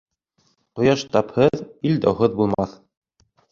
Ҡояш тапһыҙ, ил дауһыҙ булмаҫ.